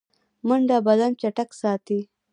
منډه بدن چټک ساتي